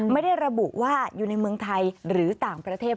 ไม่ได้ระบุว่าอยู่ในเมืองไทยหรือต่างประเทศ